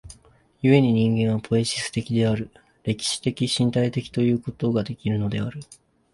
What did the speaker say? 故に人間はポイエシス的である、歴史的身体的ということができるのである。